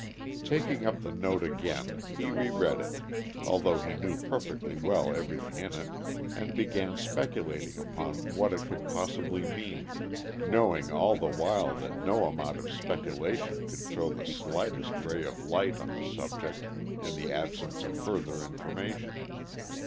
Taking up the note again he reread it, although he knew perfectly well everything in it, and began speculating upon what it could possibly mean, knowing all the while that no amount of speculation could throw the slightest ray of light on the subject in the absence of further information.